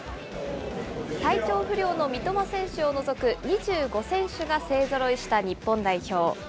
体調不良の三笘選手を除く２５選手が勢ぞろいした日本代表。